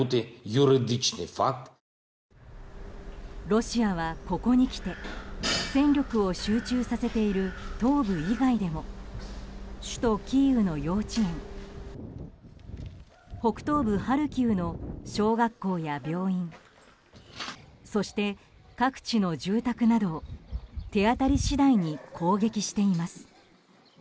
ロシアは、ここに来て戦力を集中させている東部以外でも首都キーウの幼稚園北東部ハルキウの小学校や病院そして各地の住宅など手当たり次第に攻撃しています。